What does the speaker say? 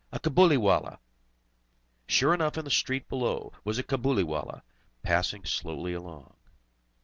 a Cabuliwallah!" Sure enough in the street below was a Cabuliwallah, passing slowly along.